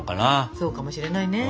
そうかもしれないね。